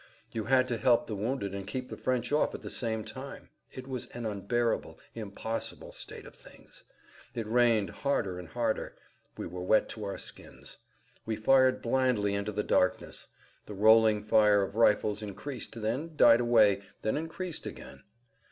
You had to help the wounded and keep the French off at the same time. It was an unbearable, impossible state of things. It rained harder and harder. We were wet to our skins. We fired blindly into the darkness. The rolling fire of rifles increased, then died away, then increased again.